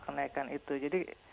kenaikan itu jadi